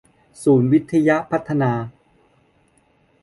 ศูนย์วิทยพัฒนา